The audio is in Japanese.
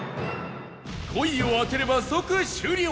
５位を当てれば即終了！